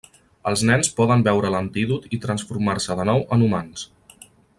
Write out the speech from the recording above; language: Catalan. Els nens poden beure l'antídot i transformar-se de nou en humans.